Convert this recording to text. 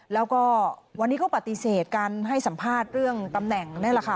แล้วก็วันนี้ก็ปฏิเสธการให้สัมภาษณ์เรื่องตำแหน่งนี่แหละค่ะ